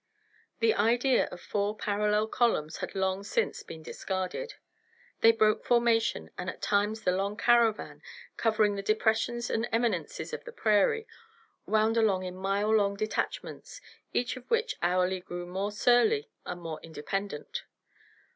The idea of four parallel columns had long since been discarded. They broke formation, and at times the long caravan, covering the depressions and eminences of the prairie, wound along in mile long detachments, each of which hourly grew more surly and more independent.